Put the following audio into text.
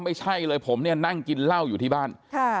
ไม่ใช่เลยผมเนี่ยนั่งกินเหล้าอยู่ที่บ้าน